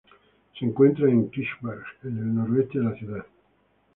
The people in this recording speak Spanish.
Se encuentra en Kirchberg, en el noreste de la ciudad.